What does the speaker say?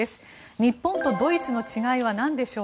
日本とドイツの違いは何でしょう？